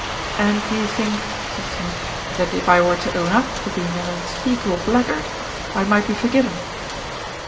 "And you think," said Smith, "that if I were to own up to being an unspeakable blackguard, I might be forgiven."